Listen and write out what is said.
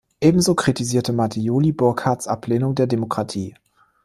Ebenso kritisierte Mattioli Burckhardts Ablehnung der Demokratie.